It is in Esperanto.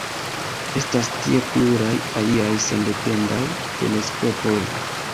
Estas tie pluraj aliaj sendependaj teleskopoj.